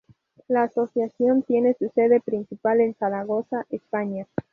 La asociación tiene su sede principal en Zaragoza, España.